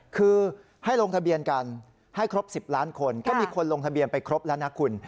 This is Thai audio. คือให้ลงทะเบียนกันให้ครบ๑๐ล้านคนก็มีคนลงทะเบียนไปครบแล้วนะคุณ